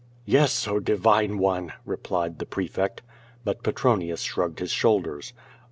"Yes, oh divine one!" replied the prefect. But Pretronius shrugged his shoulders.